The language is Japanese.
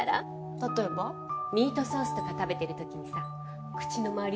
例えば？ミートソースとか食べてる時にさ口の周り